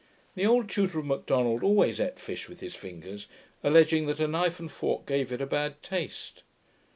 The old tutor of Macdonald always eat fish with his fingers, alledging that a knife and fork gave it a bad taste.